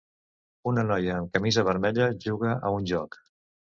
una noia amb camisa vermella juga a un joc.